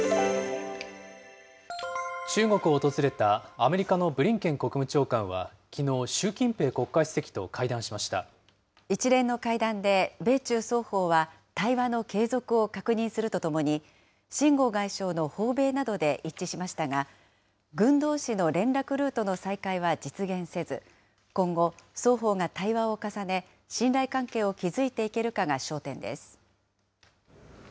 中国を訪れたアメリカのブリンケン国務長官はきのう、一連の会談で米中双方は、対話の継続を確認するとともに、秦剛外相の訪米などで一致しましたが、軍どうしの連絡ルートの再開は実現せず、今後、双方が対話を重ね、信頼関係を築いていけるかが焦点です。